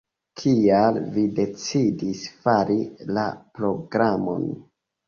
Kial vi decidis fari la programon?